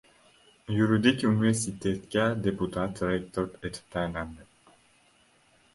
Yuridik universitetga deputat rektor etib tayinlandi